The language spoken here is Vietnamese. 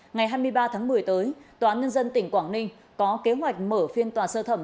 ngày hai mươi ba tháng một mươi tới tòa nhân dân tỉnh quảng ninh có kế hoạch mở phiên tòa sơ thẩm